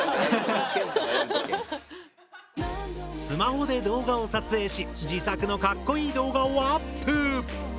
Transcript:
スマホで動画を撮影し自作のかっこいい動画をアップ！